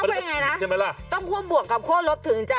ไม่มีไงนะต้องคั่วบวกหรือกับคั่วลบถึงจะ